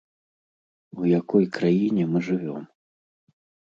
У якой краіне мы жывём?